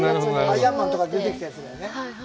「アイアンマン」とかに出てきたやつだよね。